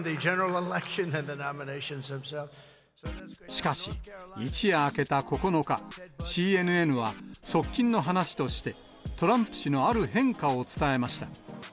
しかし、一夜明けた９日、ＣＮＮは、側近の話として、トランプ氏のある変化を伝えました。